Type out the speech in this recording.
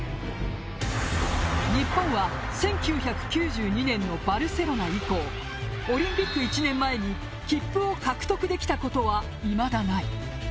日本は１９９２年のバルセロナ以降オリンピック１年前に切符を獲得できたことはいまだない。